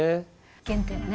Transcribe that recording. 原点はね